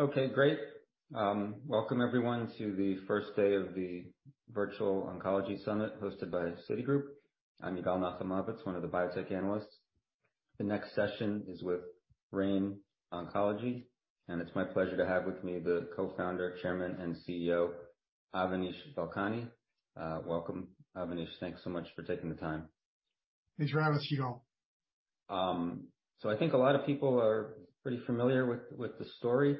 Okay, great. Welcome everyone to the first day of the Virtual Oncology Summit hosted by Citigroup. I'm Yigal Nochomovitz, one of the biotech analysts. The next session is with Rain Oncology, and it's my pleasure to have with me the Co-Founder, Chairman, and CEO, Avanish Vellanki. Welcome, Avanish. Thanks so much for taking the time. Thanks for having us, Yigal. I think a lot of people are pretty familiar with the story.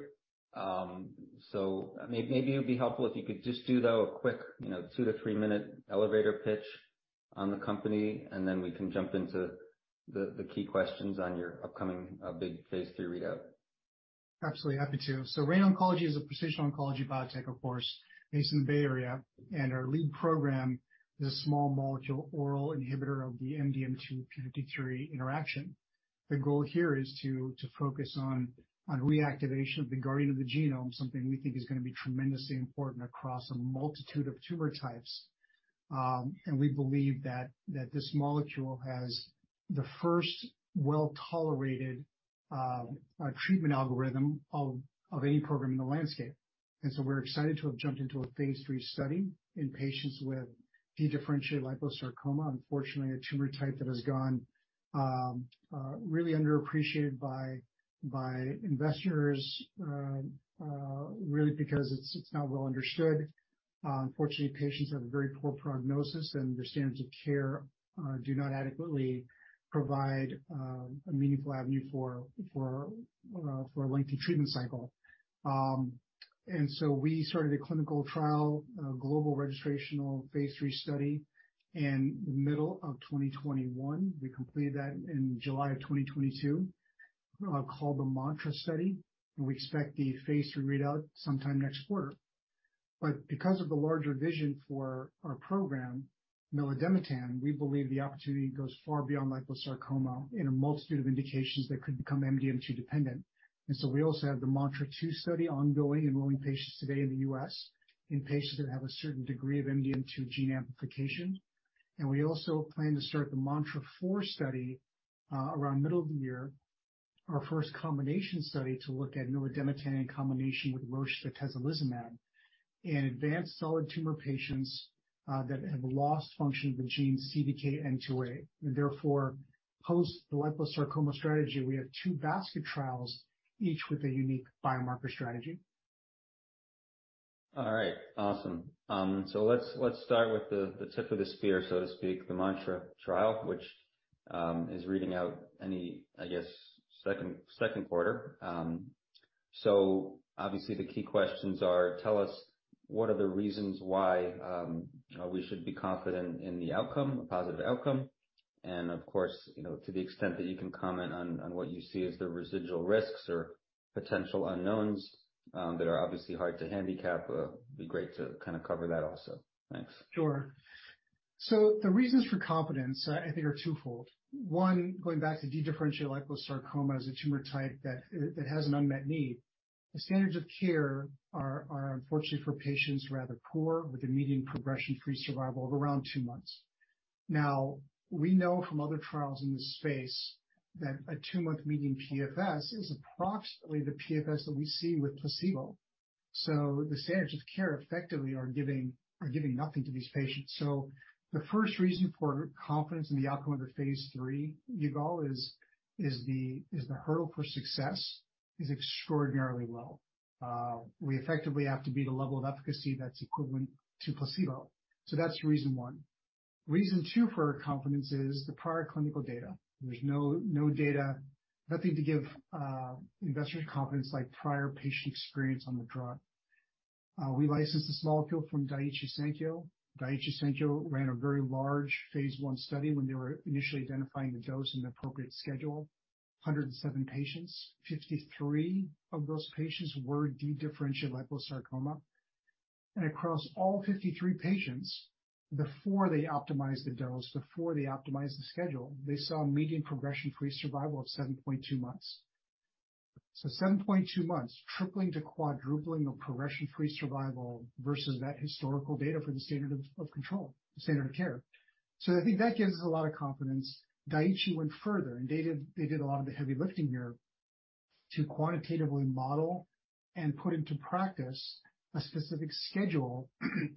Maybe it'd be helpful if you could just do, though, a quick, you know, two to three minute elevator pitch on the company, and then we can jump into the key questions on your upcoming big phase III readout. Absolutely. Happy to. Rain Oncology is a precision oncology biotech, of course, based in the Bay Area, and our lead program is a small molecule oral inhibitor of the MDM2 P53 interaction. The goal here is to focus on reactivation of the guardian of the genome, something we think is gonna be tremendously important across a multitude of tumor types. We believe that this molecule has the first well-tolerated treatment algorithm of any program in the landscape. We're excited to have jumped into a phase III study in patients with dedifferentiated liposarcoma. Unfortunately, a tumor type that has gone really underappreciated by investors, really because it's not well understood. Unfortunately, patients have a very poor prognosis, and the standards of care do not adequately provide a meaningful avenue for a lengthy treatment cycle. We started a clinical trial, a global registrational phase III study in middle of 2021. We completed that in July of 2022, called the MANTRA Study, and we expect the phase III readout sometime next quarter. Because of the larger vision for our program, milademetan, we believe the opportunity goes far beyond liposarcoma in a multitude of indications that could become MDM2 dependent. We also have the MANTRA 2 study ongoing, enrolling patients today in the U.S., in patients that have a certain degree of MDM2 gene amplification. We also plan to start the MANTRA 4 study around middle of the year. Our first combination study to look at milademetan in combination with Roche's atezolizumab in advanced solid tumor patients, that have lost function of the gene CDKN2A and therefore, post the liposarcoma strategy, we have two basket trials, each with a unique biomarker strategy. All right. Awesome. Let's start with the tip of the spear, so to speak, the MANTRA trial, which is reading out any, I guess, Q2. Obviously the key questions are tell us what are the reasons why we should be confident in the outcome, a positive outcome, and of course, you know, to the extent that you can comment on what you see as the residual risks or potential unknowns that are obviously hard to handicap, be great to kinda cover that also. Thanks. Sure. The reasons for confidence, I think are twofold. One, going back to dedifferentiated liposarcoma as a tumor type that has an unmet need. The standards of care are unfortunately for patients rather poor, with a median progression-free survival of around two months. We know from other trials in this space that a two-month median PFS is approximately the PFS that we see with placebo. The standards of care effectively are giving nothing to these patients. The first reason for confidence in the outcome of the phase III, Yigal, is the hurdle for success is extraordinarily low. We effectively have to beat a level of efficacy that's equivalent to placebo. That's reason one. Reason two for our confidence is the prior clinical data. There's no data, nothing to give investors confidence like prior patient experience on the drug. We licensed this molecule from Daiichi Sankyo. Daiichi Sankyo ran a very large phase I study when they were initially identifying the dose and the appropriate schedule. 107 patients, 53 of those patients were dedifferentiated liposarcoma. Across all 53 patients, before they optimized the dose, before they optimized the schedule, they saw a median progression-free survival of 7.2 months. 7.2 months, tripling to quadrupling of progression-free survival versus that historical data for the standard of control, standard of care. I think that gives us a lot of confidence. Daiichi went further, they did a lot of the heavy lifting here to quantitatively model and put into practice a specific schedule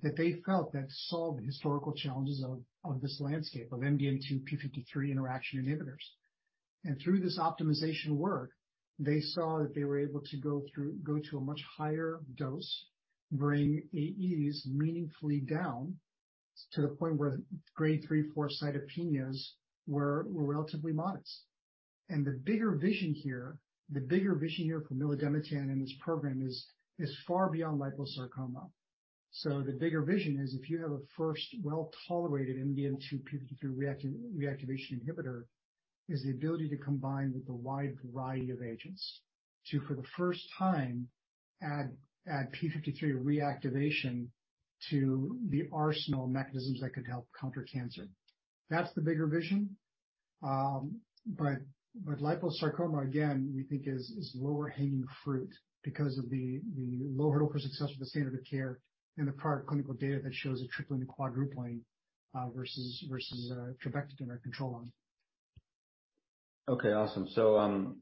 that they felt that solved the historical challenges of this landscape of MDM2 P53 interaction inhibitors. Through this optimization work, they saw that they were able to go to a much higher dose, bring AEs meaningfully down to the point where grade 3/4 cytopenias were relatively modest. The bigger vision here for milademetan in this program is far beyond liposarcoma. The bigger vision is if you have a first well-tolerated MDM2 P53 reactivation inhibitor, is the ability to combine with a wide variety of agents to, for the first time, add P53 reactivation to the arsenal of mechanisms that could help counter cancer. That's the bigger vision. Liposarcoma, again, we think is lower-hanging fruit because of the low hurdle for success with the standard of care and the prior clinical data that shows a tripling to quadrupling, versus trabectedin, our control arm. Awesome.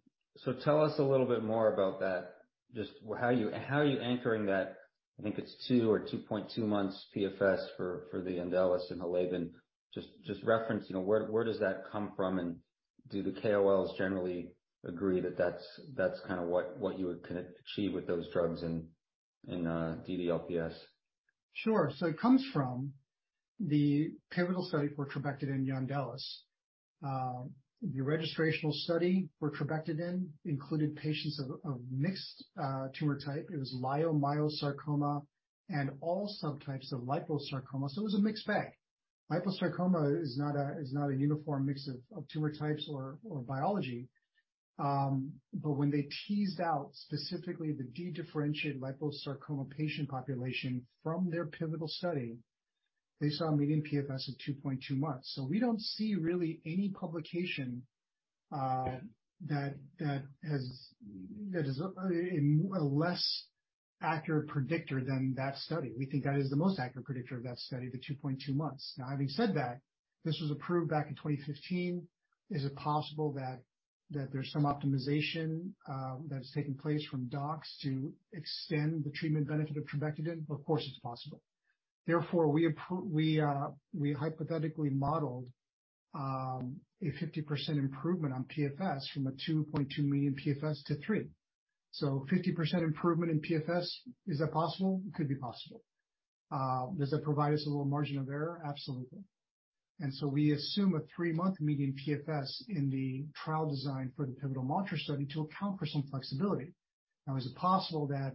Tell us a little bit more about that. Just how you anchoring that, I think it's two or 2.2 months PFS for the Yondelis and the HALAVEN. Just reference, you know, where does that come from and do the KOLs generally agree that that's kinda what you would achieve with those drugs in DDLPS? Sure. It comes from the pivotal study for trabectedin and Yondelis. The registrational study for trabectedin included patients of mixed tumor type. It was leiomyosarcoma and all subtypes of liposarcoma. It was a mixed bag. Liposarcoma is not a uniform mix of tumor types or biology. But when they teased out specifically the dedifferentiated liposarcoma patient population from their pivotal study, they saw a median PFS of 2.2 months. We don't see really any publication that is a less accurate predictor than that study. We think that is the most accurate predictor of that study, the 2.2 months. Now, having said that, this was approved back in 2015. Is it possible that there's some optimization that has taken place from docetaxel to extend the treatment benefit of trabectedin? Of course, it's possible. We hypothetically modeled a 50% improvement on PFS from a 2.2-month PFS to three months. 50% improvement in PFS, is that possible? It could be possible. Does that provide us a little margin of error? Absolutely. We assume a three-month median PFS in the trial design for the pivotal MANTRA study to account for some flexibility. Is it possible that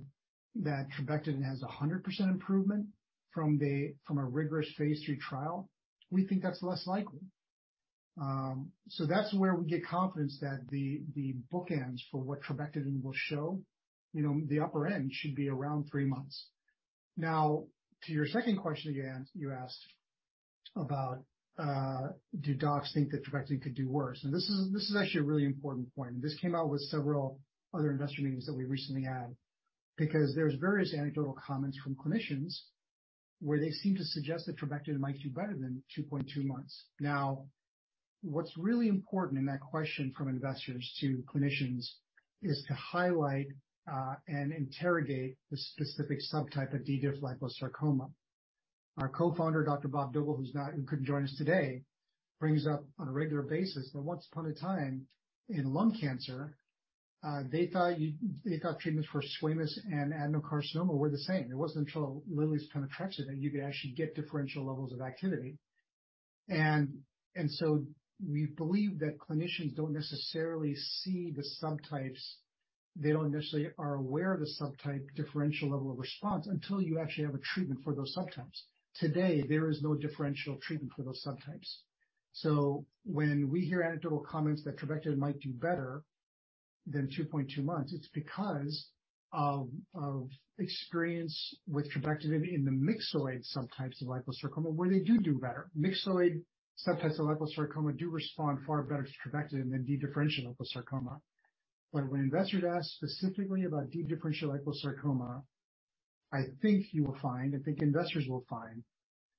trabectedin has a 100% improvement from a rigorous phase III trial? We think that's less likely. That's where we get confidence that the bookends for what trabectedin will show, you know, the upper end should be around three months. To your second question, again, you asked about, do docs think that trabectedin could do worse? This is actually a really important point, and this came out with several other investor meetings that we recently had. There's various anecdotal comments from clinicians where they seem to suggest that trabectedin might do better than 2.2 months. What's really important in that question from investors to clinicians is to highlight and interrogate the specific subtype of dedifferentiated liposarcoma. Our co-founder, Dr. Robert Doebele, who couldn't join us today, brings up on a regular basis that once upon a time in lung cancer, they thought treatments for squamous and adenocarcinoma were the same. It wasn't until Lilly's pemetrexed that you could actually get differential levels of activity. We believe that clinicians don't necessarily see the subtypes. They don't necessarily are aware of the subtype differential level of response until you actually have a treatment for those subtypes. Today, there is no differential treatment for those subtypes. When we hear anecdotal comments that trabectedin might do better than 2.2 months, it's because of experience with trabectedin in the myxoid subtypes of liposarcoma where they do better. Myxoid subtypes of liposarcoma do respond far better to trabectedin than dedifferentiated liposarcoma. When investors ask specifically about dedifferentiated liposarcoma, I think you will find, I think investors will find,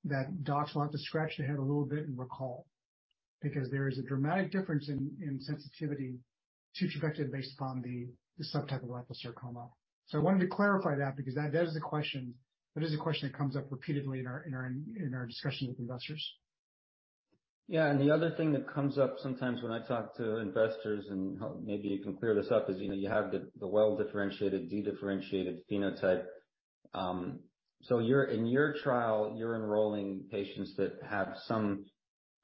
that docs will have to scratch their head a little bit and recall because there is a dramatic difference in sensitivity to trabectedin based upon the subtype of liposarcoma. I wanted to clarify that because that is a question that comes up repeatedly in our discussions with investors. Yeah. The other thing that comes up sometimes when I talk to investors, and maybe you can clear this up, is, you know, you have the well-differentiated, dedifferentiated phenotype. In your trial, you're enrolling patients that have some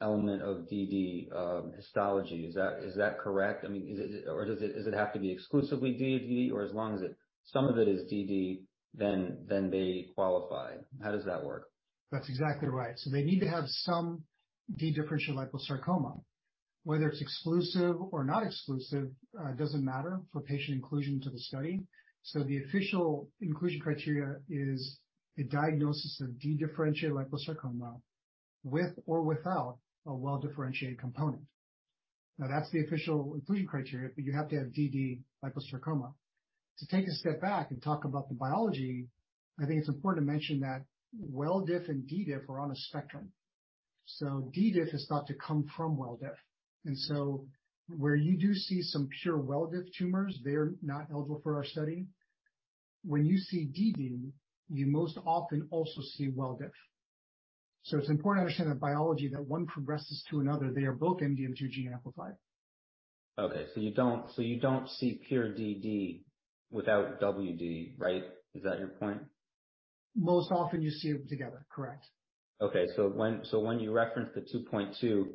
element of DD histology. Is that correct? I mean, or does it have to be exclusively DD, or as long as some of it is DD, then they qualify. How does that work? That's exactly right. They need to have some dedifferentiated liposarcoma. Whether it's exclusive or not exclusive, doesn't matter for patient inclusion to the study. The official inclusion criteria is a diagnosis of dedifferentiated liposarcoma with or without a well-differentiated component. That's the official inclusion criteria, you have to have DD liposarcoma. To take a step back and talk about the biology, I think it's important to mention that well diff and de-diff are on a spectrum. De-diff is thought to come from well diff. Where you do see some pure well diff tumors, they're not eligible for our study. When you see DD, you most often also see well diff. It's important to understand the biology that one progresses to another. They are both MDM2 gene amplified. Okay. You don't see pure DD without WD, right? Is that your point? Most often you see them together, correct? Okay. when you reference the 2.2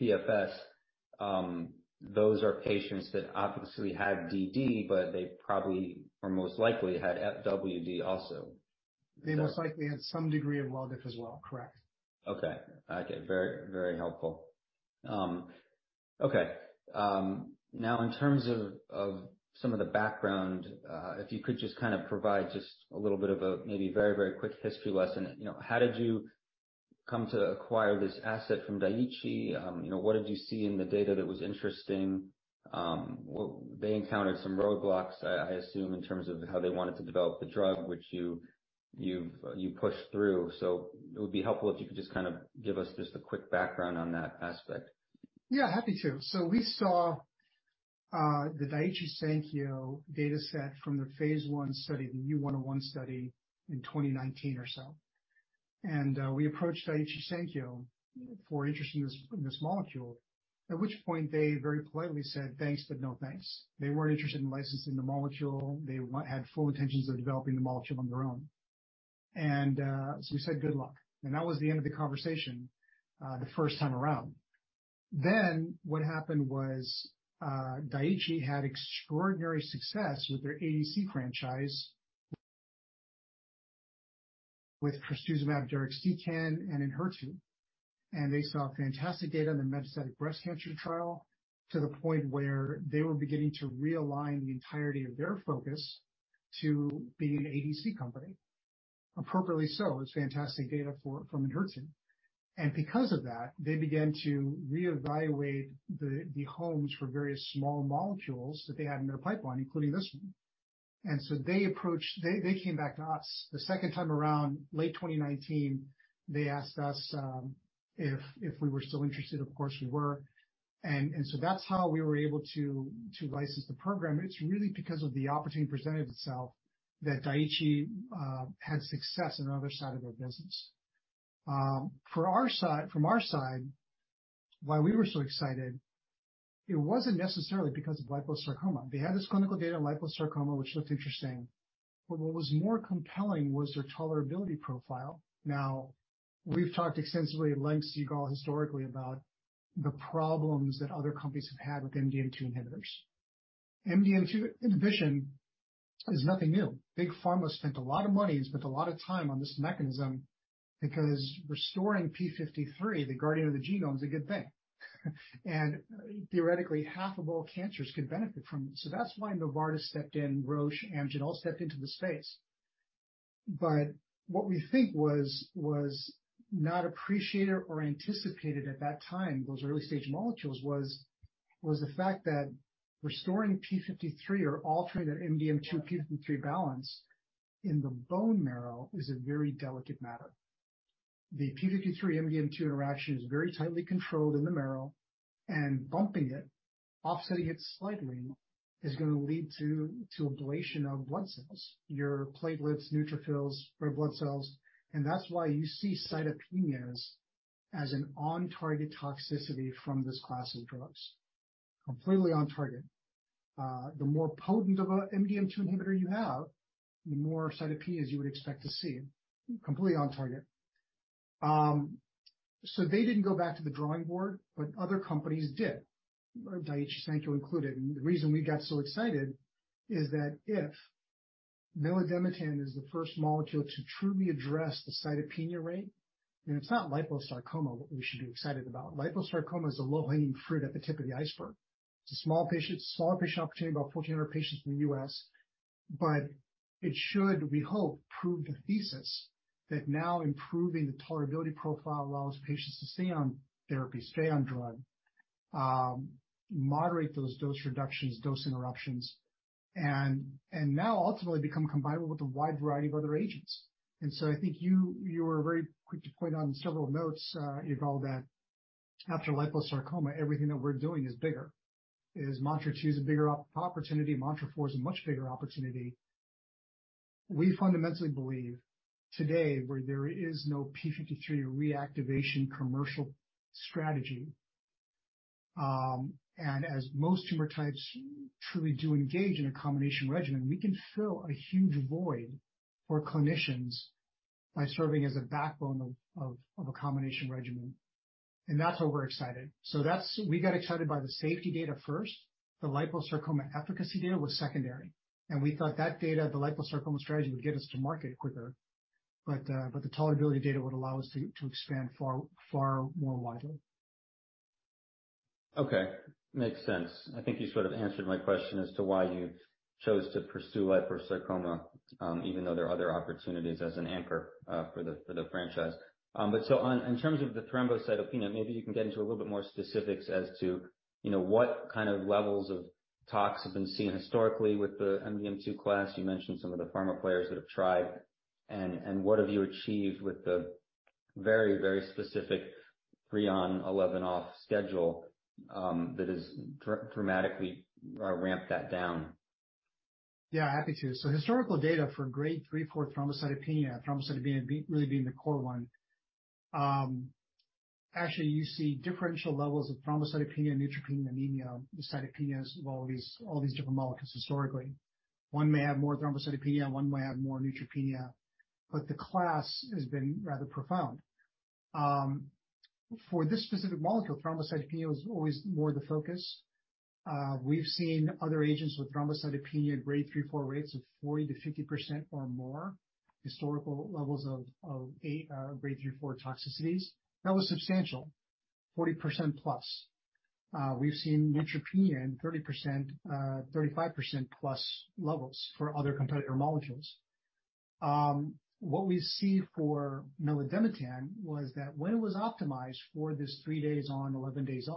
PFS, those are patients that obviously had DD, but they probably or most likely had FWD also. They most likely had some degree of well diff as well. Correct. Okay. Okay. Very, very helpful. Okay. Now in terms of some of the background, if you could just kind of provide just a little bit of a maybe very, very quick history lesson. You know, how did you come to acquire this asset from Daiichi? You know, what did you see in the data that was interesting? They encountered some roadblocks, I assume, in terms of how they wanted to develop the drug, which you've pushed through. It would be helpful if you could just kind of give us just a quick background on that aspect. Yeah, happy to. We saw the Daiichi Sankyo data set from their phase I study, the U-101 study in 2019 or so. We approached Daiichi Sankyo for interest in this molecule, at which point they very politely said, "Thanks, but no thanks." They weren't interested in licensing the molecule. They had full intentions of developing the molecule on their own. We said, "Good luck." That was the end of the conversation, the first time around. What happened was, Daiichi had extraordinary success with their ADC franchise with trastuzumab deruxtecan and Enhertu, they saw fantastic data in the metastatic breast cancer trial, to the point where they were beginning to realign the entirety of their focus to being an ADC company. Appropriately so. It's fantastic data from Enhertu. Because of that, they began to reevaluate the homes for various small molecules that they had in their pipeline, including this one. They came back to us the second time around, late 2019. They asked us if we were still interested. Of course, we were. That's how we were able to license the program. It's really because of the opportunity presented itself that Daiichi had success on the other side of their business. From our side, why we were so excited, it wasn't necessarily because of liposarcoma. They had this clinical data in liposarcoma, which looked interesting, but what was more compelling was their tolerability profile. Now, we've talked extensively at lengths, Yigal, historically, about the problems that other companies have had with MDM2 inhibitors. MDM2 inhibition is nothing new. Big Pharma spent a lot of money and spent a lot of time on this mechanism because restoring P53, the guardian of the genome, is a good thing. Theoretically, half of all cancers could benefit from it. That's why Novartis stepped in, Roche, Amgen all stepped into the space. What we think was not appreciated or anticipated at that time, those early-stage molecules, was the fact that restoring P53 or altering that MDM2 P53 balance in the bone marrow is a very delicate matter. The P53 MDM2 interaction is very tightly controlled in the marrow, and bumping it, offsetting it slightly, is gonna lead to ablation of blood cells, your platelets, neutrophils, red blood cells. That's why you see cytopenias as an on-target toxicity from this class of drugs. Completely on target. The more potent of a MDM2 inhibitor you have, the more cytopenias you would expect to see. Completely on target. They didn't go back to the drawing board, but other companies did, Daiichi Sankyo included. The reason we got so excited is that if milademetan is the first molecule to truly address the cytopenia rate, then it's not liposarcoma what we should be excited about. Liposarcoma is the low-hanging fruit at the tip of the iceberg. It's a small patient opportunity, about 1,400 patients in the U.S. It should, we hope, prove the thesis that now improving the tolerability profile allows patients to stay on therapy, stay on drug, moderate those dose reductions, dose interruptions, and now ultimately become combinable with a wide variety of other agents. I think you were very quick to point out on several notes, Yigal, that after liposarcoma, everything that we're doing is bigger. MANTRA-2 is a bigger opportunity. MANTRA-4 is a much bigger opportunity. We fundamentally believe today, where there is no P53 reactivation commercial strategy, and as most tumor types truly do engage in a combination regimen, we can fill a huge void for clinicians by serving as a backbone of a combination regimen. That's why we're excited. We got excited by the safety data first. The liposarcoma efficacy data was secondary. We thought that data, the liposarcoma strategy, would get us to market quicker, but the tolerability data would allow us to expand far more widely. Okay. Makes sense. I think you sort of answered my question as to why you chose to pursue liposarcoma, even though there are other opportunities as an anchor, for the franchise. On, in terms of the thrombocytopenia, maybe you can get into a little bit more specifics as to, you know, what kind of levels of tox have been seen historically with the MDM2 class. You mentioned some of the pharma players that have tried. What have you achieved with the very, very specific three on, 11 off schedule, that has dramatically ramped that down? Yeah, happy to. Historical data for grade 3/4 thrombocytopenia really being the core one, actually, you see differential levels of thrombocytopenia, neutropenia, anemia, the cytopenias of all these different molecules historically. One may have more thrombocytopenia, and one may have more neutropenia, but the class has been rather profound. For this specific molecule, thrombocytopenia was always more the focus. We've seen other agents with thrombocytopenia grade 3/4 rates of 40%-50% or more, historical levels of eight grade 3/4 toxicities. That was substantial, 40%+. We've seen neutropenia in 30%, 35%+ levels for other competitor molecules. What we see for milademetan was that when it was optimized for this three days on, 11 days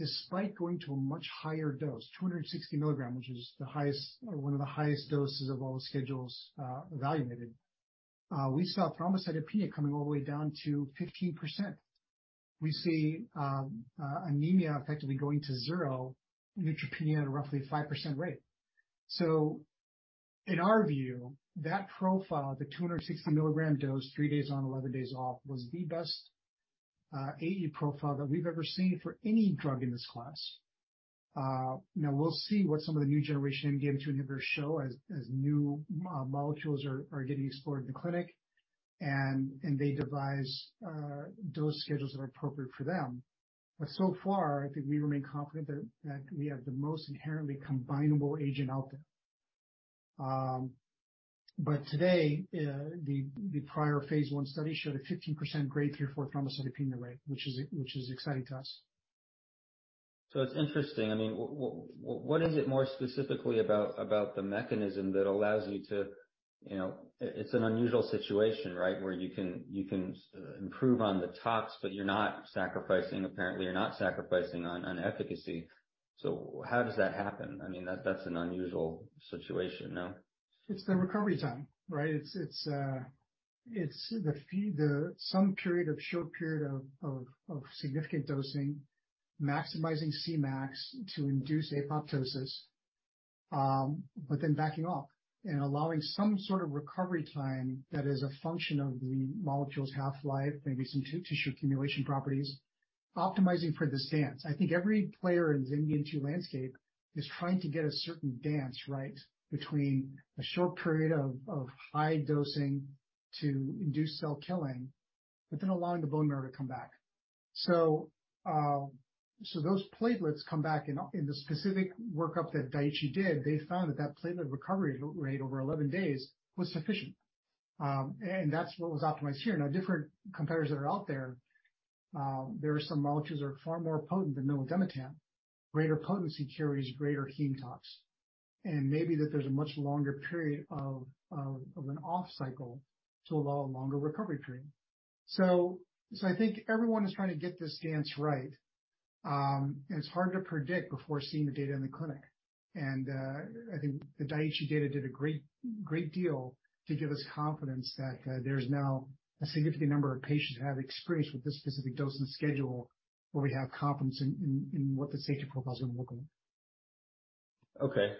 off-Despite going to a much higher dose, 260 milligram, which is the highest or one of the highest doses of all the schedules evaluated, we saw thrombocytopenia coming all the way down to 15%. We see anemia effectively going to zero, neutropenia at a roughly 5% rate. In our view, that profile, the 260 milligram dose, three days on, 11 days off, was the best AE profile that we've ever seen for any drug in this class. Now we'll see what some of the new generation MDM2 inhibitors show as new molecules are getting explored in the clinic and they devise dose schedules that are appropriate for them. So far, I think we remain confident that we have the most inherently combinable agent out there. Today, the prior phase I study showed a 15% grade three or four thrombocytopenia rate, which is exciting to us. It's interesting. I mean, what is it more specifically about the mechanism that allows you to, you know... It's an unusual situation, right? Where you can improve on the tox, but you're not sacrificing, apparently you're not sacrificing on efficacy. How does that happen? I mean, that's an unusual situation, no? It's the recovery time, right? It's the short period of significant dosing, maximizing Cmax to induce apoptosis, backing off and allowing some sort of recovery time that is a function of the molecule's half-life, maybe some tissue accumulation properties, optimizing for this dance. I think every player in this MDM2 landscape is trying to get a certain dance right between a short period of high dosing to induce cell killing, but then allowing the bone marrow to come back. Those platelets come back. In the specific workup that Daiichi did, they found that platelet recovery rate over 11 days was sufficient. That's what was optimized here. Now, different competitors that are out there are some molecules that are far more potent than milademetan. Greater potency carries greater heme tox, and maybe that there's a much longer period of an off cycle to allow a longer recovery period. I think everyone is trying to get this dance right. It's hard to predict before seeing the data in the clinic. I think the Daiichi data did a great deal to give us confidence that there's now a significant number of patients who have experience with this specific dosing schedule, where we have confidence in what the safety profile is gonna look like. Okay.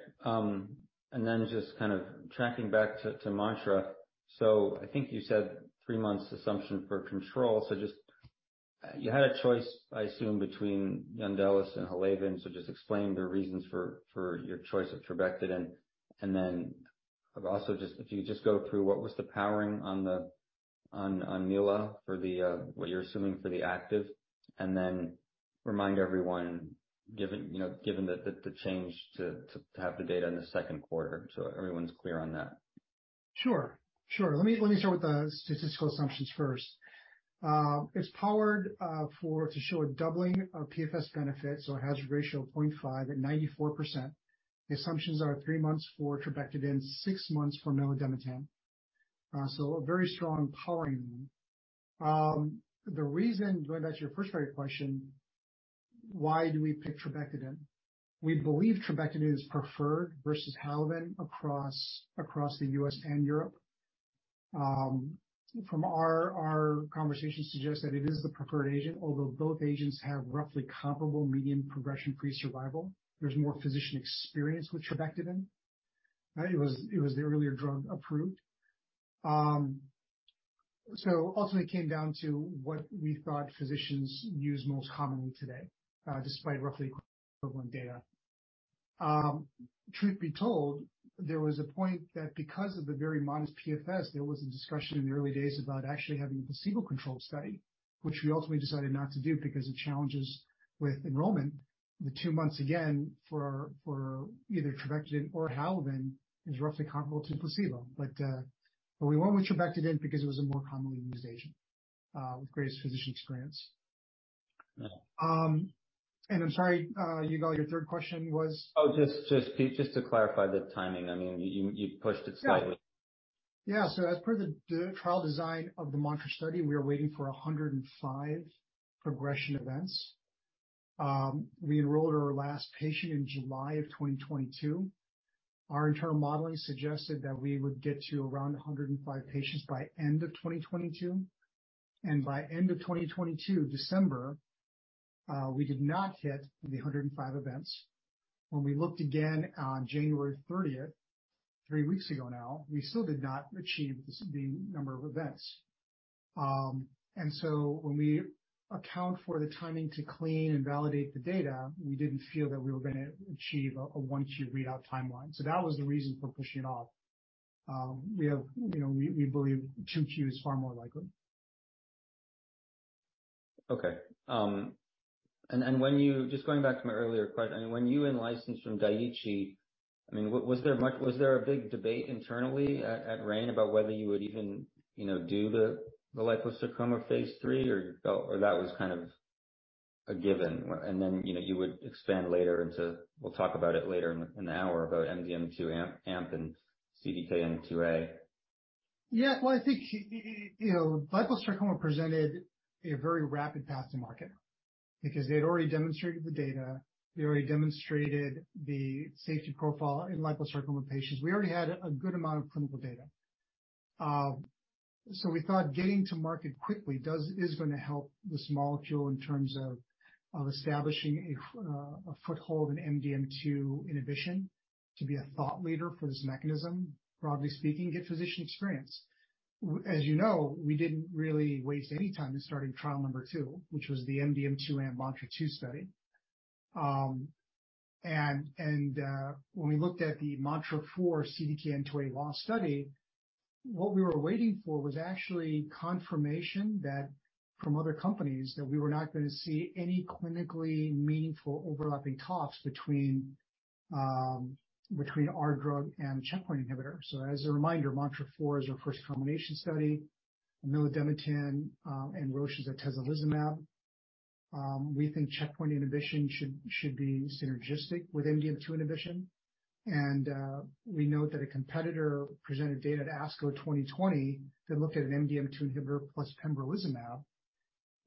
Just kind of tracking back to MANTRA. I think you said three months assumption for control. Just, you had a choice, I assume, between Yondelis and HALAVEN. Just explain the reasons for your choice of trabectedin. Also just if you could just go through what was the powering on Mila for what you're assuming for the active, and then remind everyone, given, you know, given the change to have the data in the Q2, so everyone's clear on that. Sure. Sure. Let me start with the statistical assumptions first. It's powered to show a doubling of PFS benefit, so a hazard ratio of 0.5 at 94%. The assumptions are three months for trabectedin, six months for milademetan. A very strong powering. The reason, going back to your first very question, why do we pick trabectedin? We believe trabectedin is preferred versus HALAVEN across the U.S. and Europe. From our conversations suggest that it is the preferred agent. Although both agents have roughly comparable median progression-free survival, there's more physician experience with trabectedin, right? It was the earlier drug approved. Ultimately it came down to what we thought physicians use most commonly today, despite roughly equivalent data. Truth be told, there was a point that because of the very modest PFS, there was a discussion in the early days about actually having a placebo-controlled study, which we ultimately decided not to do because of challenges with enrollment. The two months, again, for either trabectedin or Halaven is roughly comparable to placebo. We went with trabectedin because it was a more commonly used agent with greater physician experience. Yeah. I'm sorry, Yigal, your third question was? Just to clarify the timing. I mean, you pushed it slightly. Yeah. As per the trial design of the MANTRA study, we are waiting for 105 progression events. We enrolled our last patient in July of 2022. Our internal modeling suggested that we would get to around 105 patients by end of 2022. By end of 2022, December, we did not hit the 105 events. When we looked again on January 30th, three weeks ago now, we still did not achieve the number of events. When we account for the timing to clean and validate the data, we didn't feel that we were gonna achieve a 1-2 readout timeline. That was the reason for pushing it off. We have, you know, we believe 2Q is far more likely. Okay. Just going back to my earlier question, when you in-licensed from Daiichi, I mean, was there a big debate internally at Rain about whether you would even, you know, do the liposarcoma phase III or that was kind of a given, and then, you know, you would expand later into... We'll talk about it later in the hour about MDM2 amp and CDKN2A. Yeah. Well, I think, you know, liposarcoma presented a very rapid path to market because they had already demonstrated the data. They already demonstrated the safety profile in liposarcoma patients. We already had a good amount of clinical data. We thought getting to market quickly is gonna help this molecule in terms of establishing a foothold in MDM2 inhibition, to be a thought leader for this mechanism, broadly speaking, get physician experience. As you know, we didn't really waste any time in starting trial number two, which was the MDM2 amp MANTRA-2 study. When we looked at the MANTRA-4 CDKN2A loss study, what we were waiting for was actually confirmation that from other companies that we were not gonna see any clinically meaningful overlapping tops between our drug and checkpoint inhibitors. As a reminder, MANTRA-4 is our first combination study, milademetan, and Roche's atezolizumab. We think checkpoint inhibition should be synergistic with MDM2 inhibition. We know that a competitor presented data at ASCO 2020 that looked at an MDM2 inhibitor plus pembrolizumab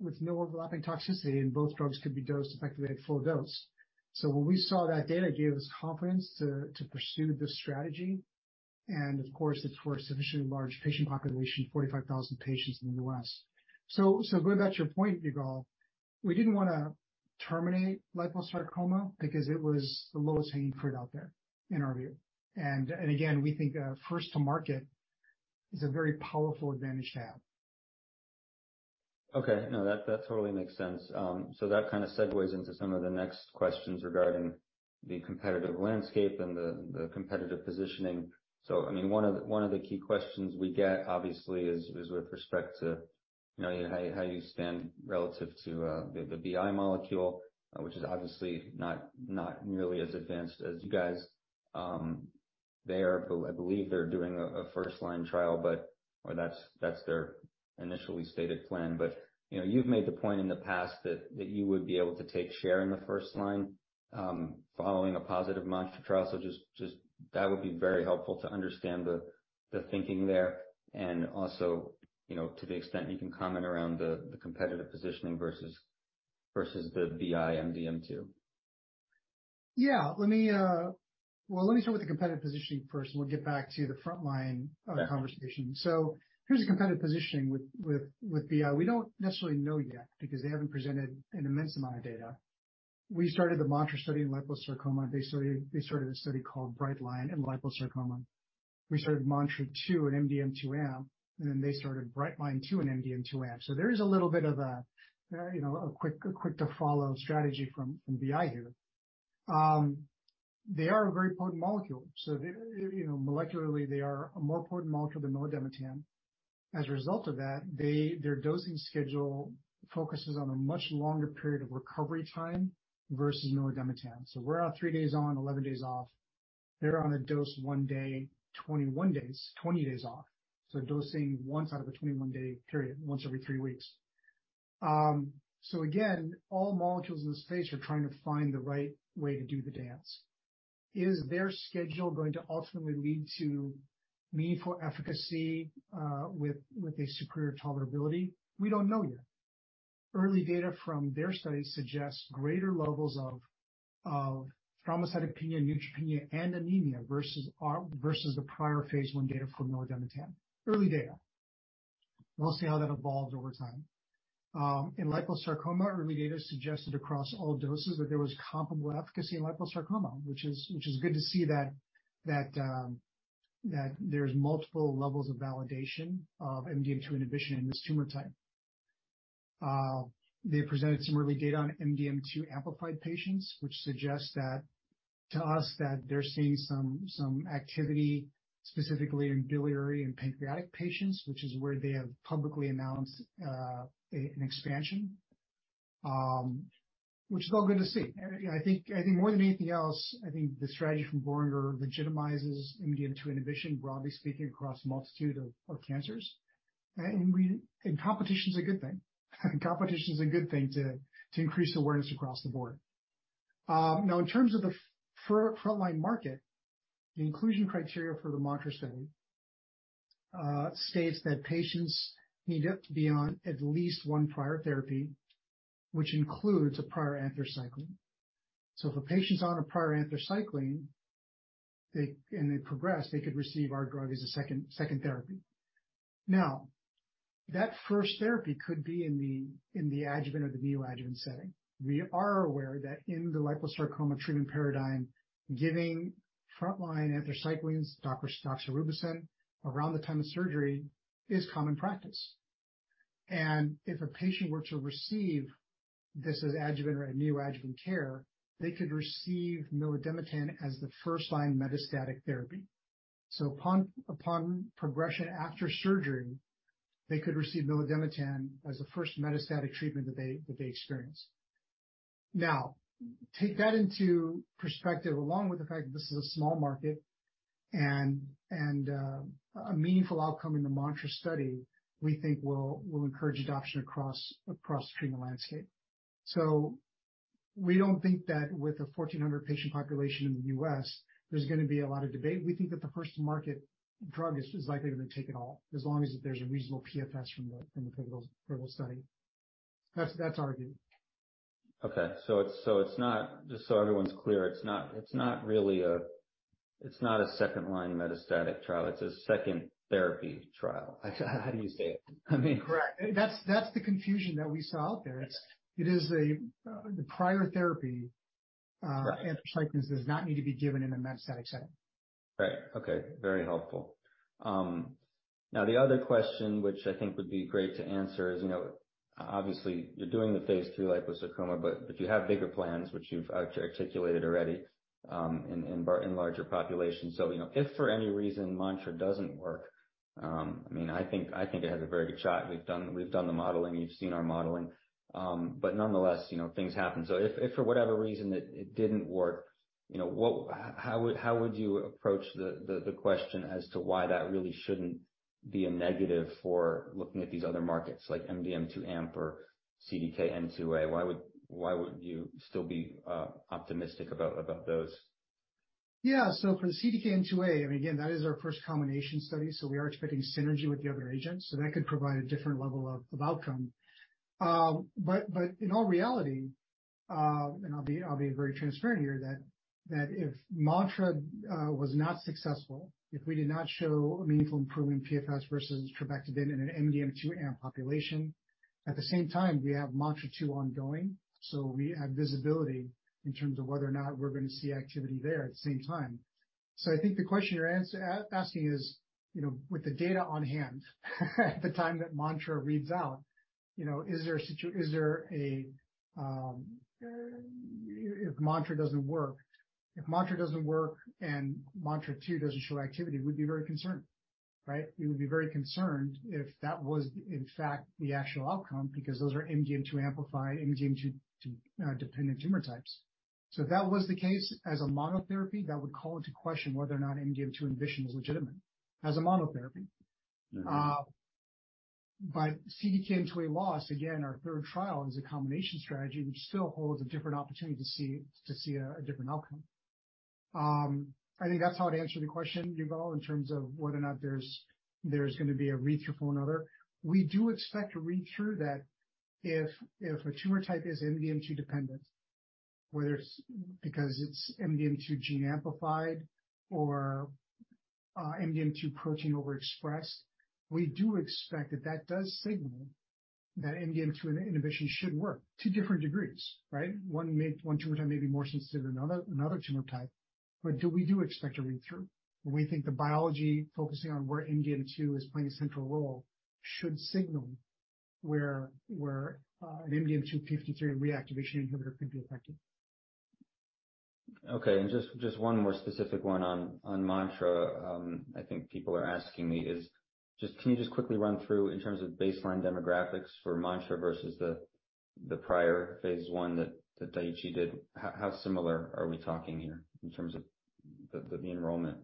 with no overlapping toxicity, and both drugs could be dosed effectively at full dose. When we saw that data, it gave us confidence to pursue this strategy. Of course, it's for a sufficiently large patient population, 45,000 patients in the U.S. Go back to your point, Yigal, we didn't wanna terminate liposarcoma because it was the lowest hanging fruit out there in our view. Again, we think first to market is a very powerful advantage to have. Okay. No, that totally makes sense. That kinda segues into some of the next questions regarding the competitive landscape and the competitive positioning. I mean, one of the key questions we get obviously is with respect to, you know, how you stand relative to the BI molecule, which is obviously not nearly as advanced as you guys. I believe they're doing a first line trial or that's their initially stated plan. You know, you've made the point in the past that you would be able to take share in the first line following a positive MANTRA trial. Just that would be very helpful to understand the thinking there and also, you know, to the extent you can comment around the competitive positioning versus the BI MDM2. Yeah. Let me start with the competitive positioning first, and we'll get back to the frontline of the conversation. Okay. Here's the competitive positioning with BI. We don't necessarily know yet because they haven't presented an immense amount of data. We started the MANTRA study in liposarcoma. They started a study called Brightline-1 in liposarcoma. We started MANTRA-2 in MDM2amp, and then they started Brightline-2 in MDM2amp. There is a little bit of a, you know, a quick to follow strategy from BI here. They are a very potent molecule. They're, you know, molecularly they are a more potent molecule than milademetan. As a result of that, their dosing schedule focuses on a much longer period of recovery time versus milademetan. We're out three days on, 11 days off. They're on a dose one day, 20 days off. Dosing once out of a 21-day period, once every three weeks. Again, all molecules in this space are trying to find the right way to do the dance. Is their schedule going to ultimately lead to meaningful efficacy with a superior tolerability? We don't know yet. Early data from their study suggests greater levels of thrombocytopenia, neutropenia, and anemia versus the prior phase I data for milademetan. Early data. We'll see how that evolves over time. In liposarcoma, early data suggested across all doses that there was comparable efficacy in liposarcoma, which is good to see that there's multiple levels of validation of MDM2 inhibition in this tumor type. They presented some early data on MDM2 amplified patients, which suggests that to us that they're seeing some activity specifically in biliary and pancreatic patients, which is where they have publicly announced an expansion, which is all good to see. I think more than anything else, I think the strategy from Boehringer legitimizes MDM2 inhibition, broadly speaking, across a multitude of cancers. Competition's a good thing. Competition's a good thing to increase awareness across the board. Now, in terms of the frontline market, the inclusion criteria for the MANTRA study states that patients need to be on at least one prior therapy, which includes a prior anthracycline. If a patient's on a prior anthracycline, and they progress, they could receive our drug as a second therapy. That first therapy could be in the, in the adjuvant or the neoadjuvant setting. We are aware that in the liposarcoma treatment paradigm, giving frontline anthracyclines, docetaxel or doxorubicin around the time of surgery is common practice. If a patient were to receive this as adjuvant or neoadjuvant care, they could receive milademetan as the first-line metastatic therapy. Upon progression after surgery, they could receive milademetan as the first metastatic treatment that they experience. Take that into perspective, along with the fact that this is a small market and a meaningful outcome in the MANTRA study, we think will encourage adoption across the treatment landscape. We don't think that with a 1,400 patient population in the U.S., there's gonna be a lot of debate. We think that the first market drug is likely to take it all, as long as there's a reasonable PFS from the pivotal study. That's our view. Okay. It's not. Just so everyone's clear, It's not a second-line metastatic trial. It's a second therapy trial. How do you say it? I mean. Correct. That's the confusion that we saw out there. Yes. It is a, the prior therapy- Right. Amp for cyclins does not need to be given in a metastatic setting. Right. Okay. Very helpful. Now the other question which I think would be great to answer is, you know, obviously, you're doing the phase II liposarcoma, but you have bigger plans, which you've articulated already, in larger populations. You know, if for any reason MANTRA doesn't work, I mean, I think it has a very good shot. We've done the modeling. You've seen our modeling. Nonetheless, you know, things happen. If for whatever reason it didn't work, you know, how would you approach the question as to why that really shouldn't be a negative for looking at these other markets like MDM2amp or CDKN2A? Why would you still be optimistic about those? For the CDKN2A, I mean, again, that is our first combination study, we are expecting synergy with the other agents. That could provide a different level of outcome. But in all reality, and I'll be very transparent here that if MANTRA was not successful, if we did not show a meaningful improvement in PFS versus trabectedin in an MDM2amp population, at the same time, we have MANTRA-2 ongoing. We have visibility in terms of whether or not we're gonna see activity there at the same time. I think the question you're asking is, you know, with the data on hand, at the time that MANTRA reads out, you know, is there a... If MANTRA doesn't work and MANTRA-2 doesn't show activity, we'd be very concerned, right? We would be very concerned if that was in fact the actual outcome because those are MDM2 amplified, MDM2 de-dependent tumor types. If that was the case as a monotherapy, that would call into question whether or not MDM2 ambition is legitimate as a monotherapy. Mm-hmm. CDKN2A-LOS, again, our third trial is a combination strategy which still holds a different opportunity to see a different outcome. I think that's how to answer the question, Yigal, in terms of whether or not there's gonna be a read-through for another. We do expect a read-through that if a tumor type is MDM2 dependent, whether it's because it's MDM2 gene amplified or MDM2 protein overexpressed, we do expect that that does signal that MDM2 inhibition should work to different degrees, right? One tumor type may be more sensitive than another tumor type. We do expect a read-through. We think the biology focusing on where MDM2 is playing a central role should signal where an MDM2 p53 reactivation inhibitor can be effective. Okay. Just one more specific one on MANTRA, I think people are asking me is just, can you just quickly run through in terms of baseline demographics for MANTRA versus the prior phase I that Daiichi did, how similar are we talking here in terms of the enrollment?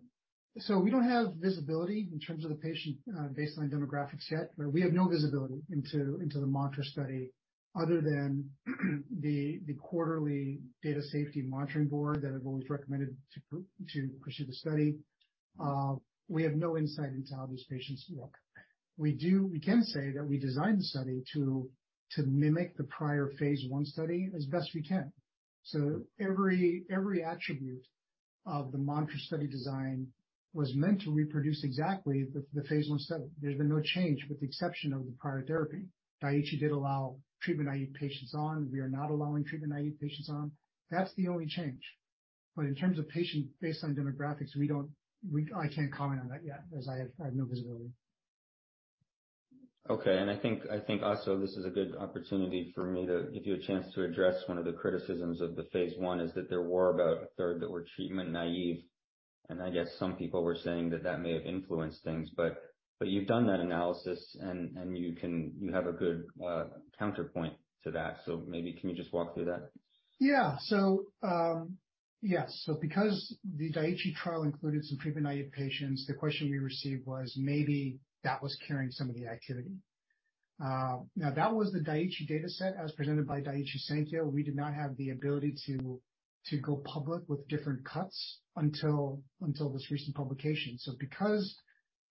We don't have visibility in terms of the patient baseline demographics yet. We have no visibility into the MANTRA study other than the quarterly data safety monitoring board that have always recommended to pursue the study. We have no insight into how these patients look. We can say that we designed the study to mimic the prior phase I study as best we can. Every attribute of the MANTRA study design was meant to reproduce exactly the phase I study. There's been no change with the exception of the prior therapy. Daiichi did allow treatment-naive patients on. We are not allowing treatment-naive patients on. That's the only change. In terms of patient baseline demographics, I can't comment on that yet as I have no visibility. Okay. I think also this is a good opportunity for me to give you a chance to address one of the criticisms of the phase I is that there were about a third that were treatment naive, and I guess some people were saying that that may have influenced things. You've done that analysis and you have a good counterpoint to that. Maybe can you just walk through that? Yes. Because the Daiichi trial included some treatment-naive patients, the question we received was maybe that was carrying some of the activity. Now that was the Daiichi dataset as presented by Daiichi Sankyo. We did not have the ability to go public with different cuts until this recent publication. Because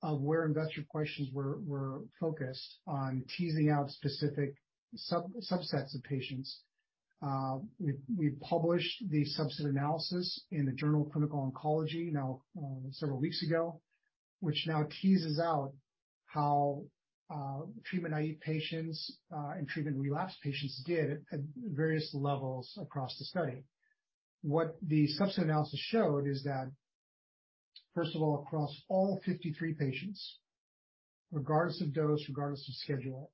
of where investor questions were focused on teasing out specific sub-subsets of patients, we published the subset analysis in the Journal of Clinical Oncology several weeks ago, which now teases out how treatment-naive patients and treatment-relapsed patients did at various levels across the study. What the subset analysis showed is that, first of all, across all 53 patients, regardless of dose, regardless of schedule,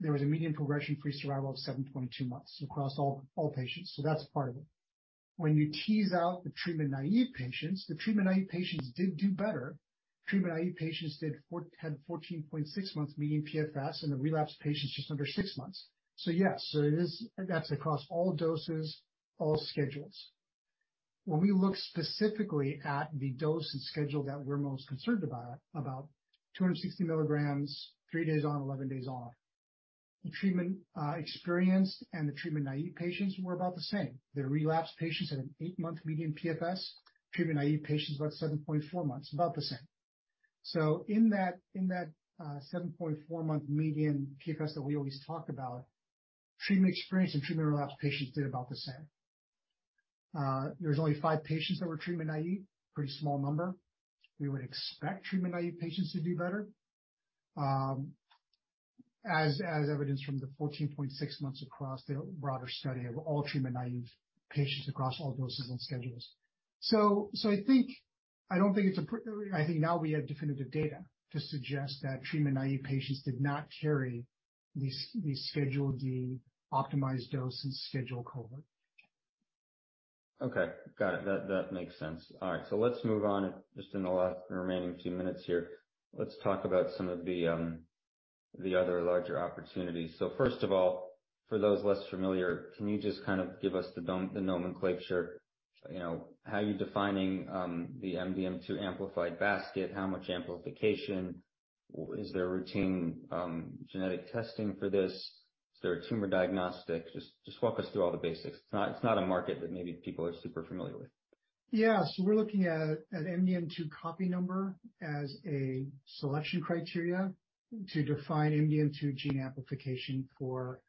there was a median progression-free survival of 7.2 months across all patients. That's part of it. When you tease out the treatment-naive patients, the treatment-naive patients did do better. Treatment-naive patients did 14.6 months median PFS, and the relapsed patients just under six months. Yes. That's across all doses, all schedules. When we look specifically at the dose and schedule that we're most concerned about 260 mg, three days on, 11 days off. The treatment experienced and the treatment-naive patients were about the same. The relapsed patients had an eight-month median PFS. Treatment-naive patients, about 7.4 months, about the same. In that, in that 7.4-month median PFS that we always talk about, treatment-experienced and treatment-relapsed patients did about the same. There's only five patients that were treatment naive, pretty small number. We would expect treatment-naive patients to do better, as evidenced from the 14.6 months across the broader study of all treatment-naive patients across all doses and schedules. I think now we have definitive data to suggest that treatment-naive patients did not carry the Schedule D optimized dose and schedule cohort. Okay. Got it. That makes sense. All right, let's move on, just in the last remaining few minutes here. Let's talk about some of the other larger opportunities. First of all, for those less familiar, can you just kind of give us the nomenclature, you know, how you're defining the MDM2 amplified basket, how much amplification? Is there a routine genetic testing for this? Is there a tumor diagnostic? Just walk us through all the basics. It's not a market that maybe people are super familiar with. Yeah. We're looking at MDM2 copy number as a selection criteria to define MDM2 gene amplification for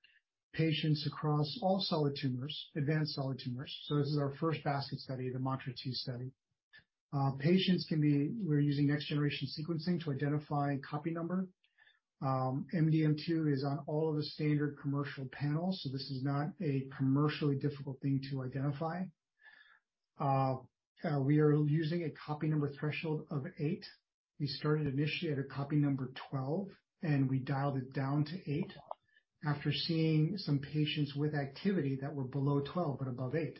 patients across all solid tumors, advanced solid tumors. This is our first basket study, the MANTRA-2 study. We're using next-generation sequencing to identify copy number. MDM2 is on all of the standard commercial panels, so this is not a commercially difficult thing to identify. We are using a copy number threshold of eight. We started initially at a copy number 12, and we dialed it down to eight after seeing some patients with activity that were below 12 but above eight.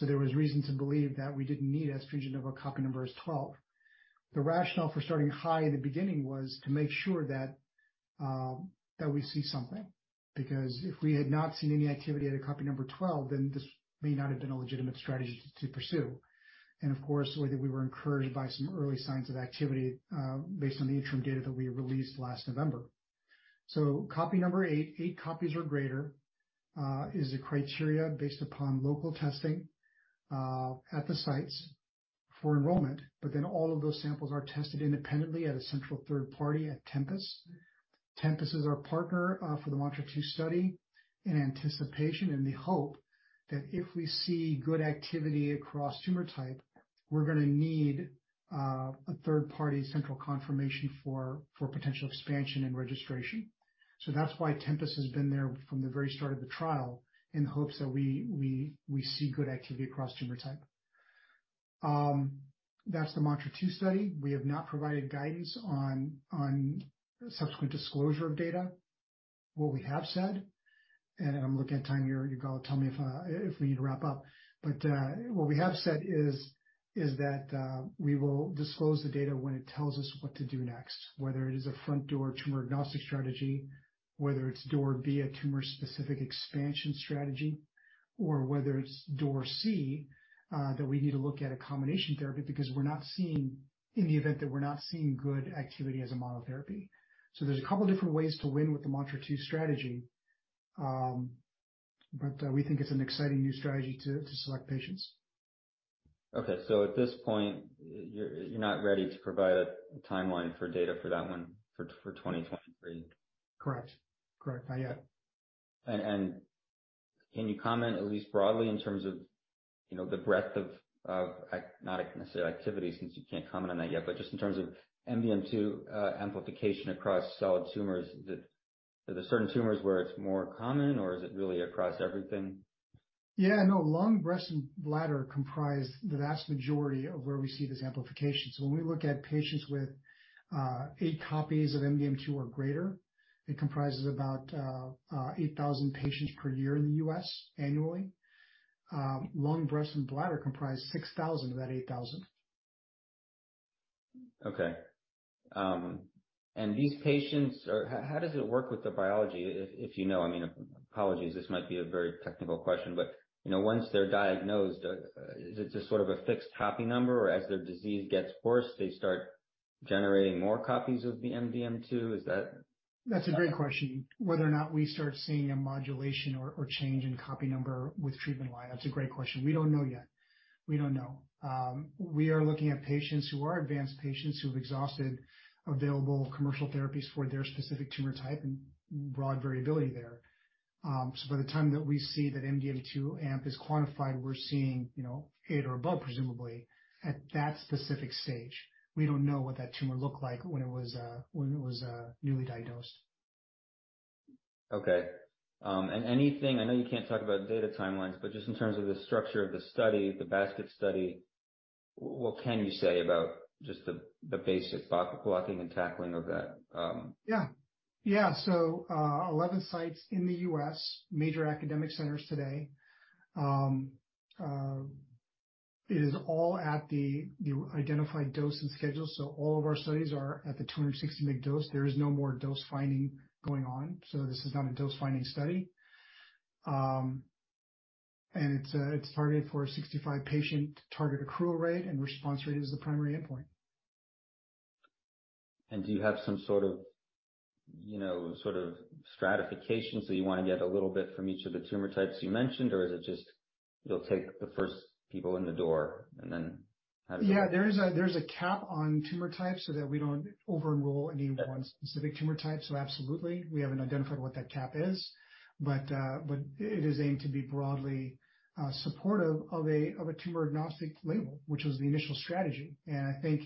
There was reason to believe that we didn't need as stringent of a copy number as 12. The rationale for starting high in the beginning was to make sure that we see something, because if we had not seen any activity at a copy number 12, then this may not have been a legitimate strategy to pursue. The way that we were encouraged by some early signs of activity, based on the interim data that we released last November. Copy number eight copies or greater, is the criteria based upon local testing at the sites for enrollment. All of those samples are tested independently at a central third party at Tempus. Tempus is our partner for the MANTRA-2 study in anticipation, in the hope that if we see good activity across tumor type, we're gonna need a third-party central confirmation for potential expansion and registration. That's why Tempus has been there from the very start of the trial in hopes that we see good activity across tumor type. That's the MANTRA-2 study. We have not provided guidance on subsequent disclosure of data. What we have said, and I'm looking at time here, Yigal, tell me if we need to wrap up. What we have said is that we will disclose the data when it tells us what to do next, whether it is a front door tumor-agnostic strategy, whether it's door B tumor-specific expansion strategy, or whether it's door C that we need to look at a combination therapy because in the event that we're not seeing good activity as a monotherapy. There's a couple different ways to win with the MANTRA-2 strategy. We think it's an exciting new strategy to select patients. Okay. At this point, you're not ready to provide a timeline for data for that one for 2023? Correct. Not yet. Can you comment at least broadly in terms of, you know, the breadth of not necessarily activity since you can't comment on that yet, but just in terms of MDM2 amplification across solid tumors. Are there certain tumors where it's more common or is it really across everything? Lung, breast and bladder comprise the vast majority of where we see this amplification. When we look at patients with eight copies of MDM2 or greater, it comprises about 8,000 patients per year in the U.S. annually. Lung, breast, and bladder comprise 6,000 of that 8,000. Okay. How does it work with the biology, if you know? I mean, apologies, this might be a very technical question, but, you know, once they're diagnosed, is it just sort of a fixed copy number or as their disease gets worse they start generating more copies of the MDM2? Is that... That's a great question. Whether or not we start seeing a modulation or change in copy number with treatment line. That's a great question. We don't know yet. We don't know. We are looking at patients who are advanced patients who have exhausted available commercial therapies for their specific tumor type and broad variability there. So by the time that we see that MDM2 amp is quantified, we're seeing, you know, eight or above, presumably, at that specific stage. We don't know what that tumor looked like when it was newly diagnosed. Okay. I know you can't talk about data timelines, but just in terms of the structure of the study, the basket study, what can you say about just the basic blocking and tackling of that? Yeah. Yeah. 11 sites in the U.S., major academic centers today. It is all at the identified dose and schedule, so all of our studies are at the 260 mg dose. There is no more dose finding going on, so this is not a dose-finding study. It's targeted for a 65 patient target accrual rate. Response rate is the primary endpoint. Do you have some sort of, you know, sort of stratification, so you wanna get a little bit from each of the tumor types you mentioned? Is it just you'll take the first people in the door, and then how does it... Yeah, there is a cap on tumor types so that we don't over-enroll any one specific tumor type, so absolutely. We haven't identified what that cap is. But it is aimed to be broadly supportive of a tumor-agnostic label, which was the initial strategy. I think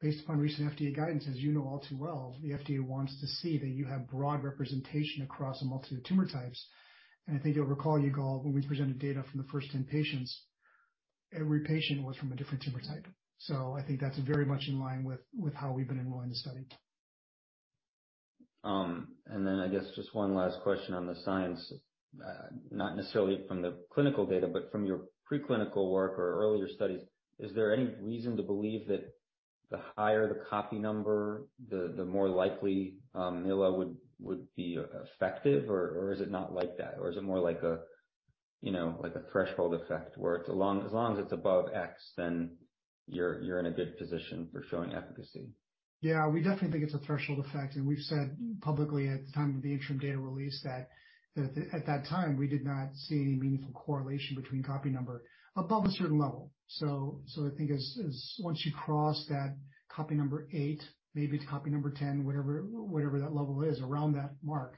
based upon recent FDA guidance, as you know all too well, the FDA wants to see that you have broad representation across multiple tumor types. I think you'll recall, Yigal, when we presented data from the first 10 patients, every patient was from a different tumor type. I think that's very much in line with how we've been enrolling the study. I guess just one last question on the science, not necessarily from the clinical data, but from your preclinical work or earlier studies. Is there any reason to believe that the higher the copy number, the more likely Mila would be effective, or is it not like that? Or is it more like a, you know, like a threshold effect, where it's as long as it's above X, then you're in a good position for showing efficacy? Yeah, we definitely think it's a threshold effect. We've said publicly at the time of the interim data release that at that time, we did not see any meaningful correlation between copy number above a certain level. I think as once you cross that copy number eight, maybe to copy number 10, whatever that level is, around that mark,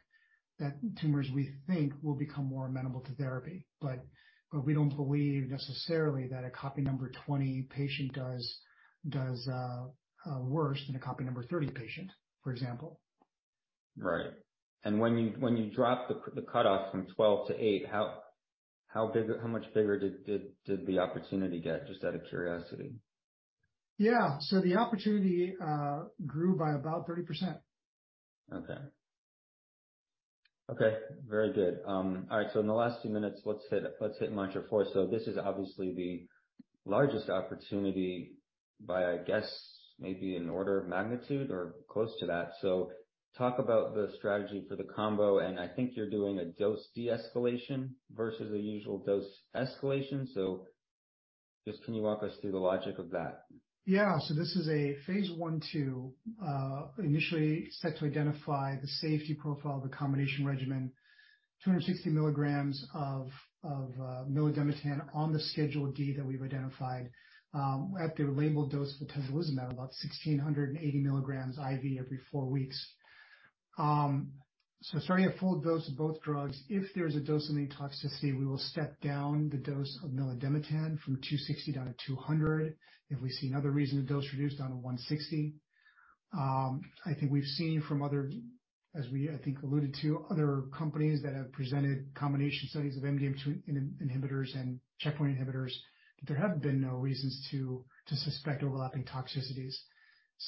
that tumors, we think, will become more amenable to therapy. We don't believe necessarily that a copy number 20 patient does worse than a copy number 30 patient, for example. When you drop the cutoff from 12 to eight, how big, how much bigger did the opportunity get, just out of curiosity? Yeah. The opportunity grew by about 30%. Okay. Okay, very good. All right, in the last few minutes, let's hit MANTRA-4. This is obviously the largest opportunity by, I guess, maybe an order of magnitude or close to that. Talk about the strategy for the combo, and I think you're doing a dose de-escalation versus a usual dose escalation. Just can you walk us through the logic of that? This is a phase I/2, initially set to identify the safety profile of the combination regimen, 260 mg of milademetan on the Schedule D that we've identified, at the labeled dose of atezolizumab, about 1,680 milligrams IV every four weeks. Starting at full dose of both drugs, if there is a dose-limiting toxicity, we will step down the dose of milademetan from 260 down to 200. If we see another reason, the dose reduced down to 160. I think we've seen from other, as we, I think, alluded to, other companies that have presented combination studies of MDM2 inhibitors and checkpoint inhibitors, that there have been no reasons to suspect overlapping toxicities.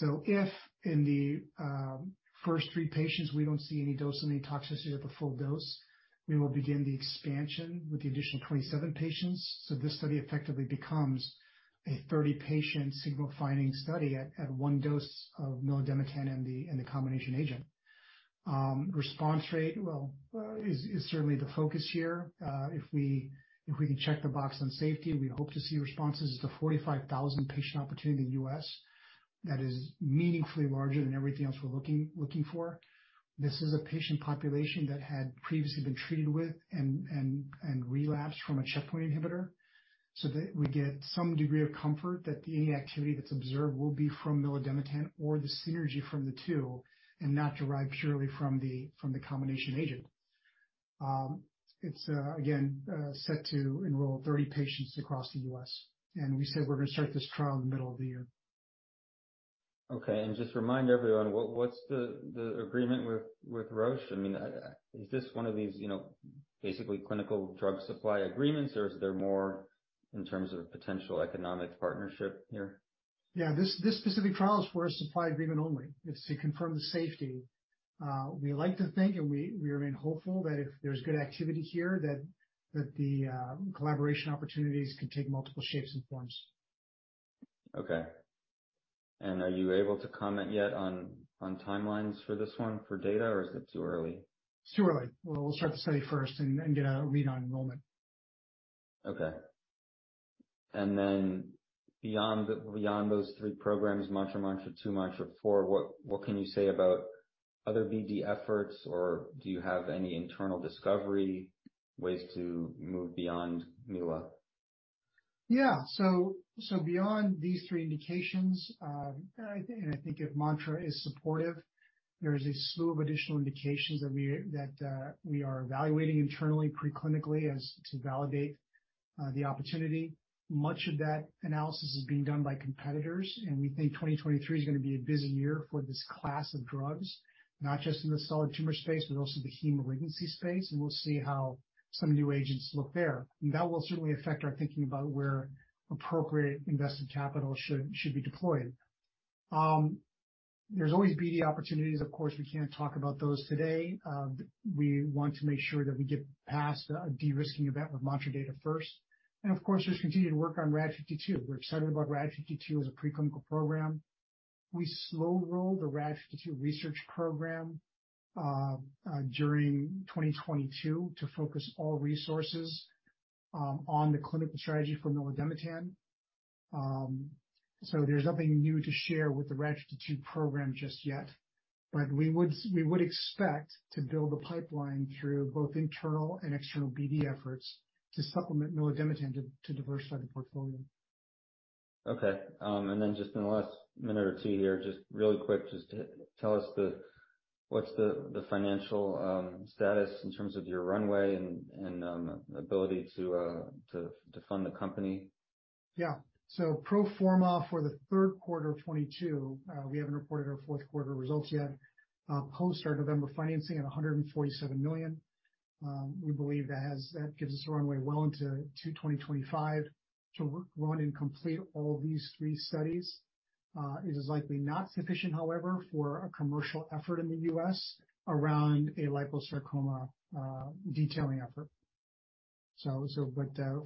If in the first three patients we don't see any dose or any toxicity at the full dose, we will begin the expansion with the additional 27 patients. This study effectively becomes a 30-patient signal finding study at one dose of milademetan and the combination agent. Response rate well is certainly the focus here. If we can check the box on safety, we hope to see responses to 45,000 patient opportunity in the U.S. That is meaningfully larger than everything else we're looking for. This is a patient population that had previously been treated with and relapsed from a checkpoint inhibitor, so that we get some degree of comfort that any activity that's observed will be from milademetan or the synergy from the two and not derived purely from the combination agent. It's again set to enroll 30 patients across the U.S. We said we're gonna start this trial in the middle of the year. Okay, just remind everyone, what's the agreement with Roche? I mean, is this one of these, you know, basically clinical drug supply agreements, or is there more in terms of potential economic partnership here? This specific trial is for a supply agreement only. It's to confirm the safety. We like to think, and we remain hopeful that if there's good activity here, that the collaboration opportunities can take multiple shapes and forms. Okay. Are you able to comment yet on timelines for this one for data, or is it too early? It's too early. We'll start the study first and get a read on enrollment. Okay. beyond those three programs, MANTRA-2, MANTRA-4, what can you say about other BD efforts, or do you have any internal discovery ways to move beyond mila? Yeah. Beyond these three indications, I think if MANTRA is supportive, there is a slew of additional indications that we're evaluating internally preclinically as to validate the opportunity. Much of that analysis is being done by competitors, we think 2023 is gonna be a busy year for this class of drugs, not just in the solid tumor space, but also the heme malignancy space. We'll see how some new agents look there. That will certainly affect our thinking about where appropriate invested capital should be deployed. There's always BD opportunities. Of course, we can't talk about those today. We want to make sure that we get past a de-risking event with MANTRA data first. Of course, just continue to work on RAD52. We're excited about RAD52 as a preclinical program. We slow-rolled the RAD52 research program during 2022 to focus all resources on the clinical strategy for milademetan. There's nothing new to share with the RAD52 program just yet, we would expect to build a pipeline through both internal and external BD efforts to supplement milademetan to diversify the portfolio. Okay. Just in the last minute or two here, just really quick, just tell us the what's the financial status in terms of your runway and ability to fund the company? Pro forma for the Q3 of 2022, we haven't reported our Q4r results yet. Post our November financing at $147 million. We believe that gives us a runway well into 2025 to run and complete all these three studies. It is likely not sufficient, however, for a commercial effort in the U.S. around a liposarcoma detailing effort.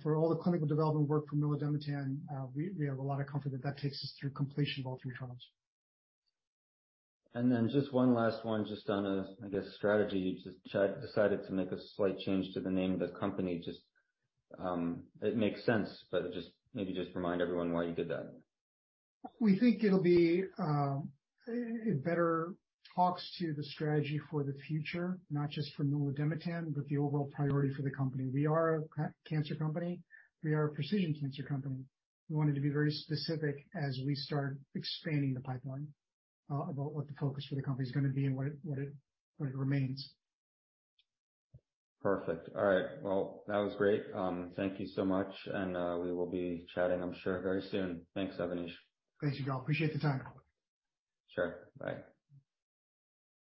For all the clinical development work for milademetan, we have a lot of comfort that that takes us through completion of all three trials. Just one last one just on a, I guess, strategy. You just decided to make a slight change to the name of the company. Just, it makes sense, but just maybe just remind everyone why you did that. We think it'll be, it better talks to the strategy for the future, not just for milademetan, but the overall priority for the company. We are a cancer company. We are a precision cancer company. We wanted to be very specific as we start expanding the pipeline, about what the focus for the company is gonna be and what it remains. Perfect. All right. Well, that was great. Thank you so much, and we will be chatting, I'm sure, very soon. Thanks, Avanish. Thank you, y'all. Appreciate the time. Sure. Bye.